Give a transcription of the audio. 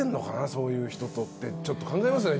そういう人とってちょっと考えますよね